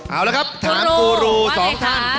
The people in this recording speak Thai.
เอาละครับถามกูรูสองท่าน